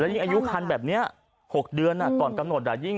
แล้วยิ่งอายุคันแบบเนี่ย๖เดือนก่อนกำหนดอ่ะ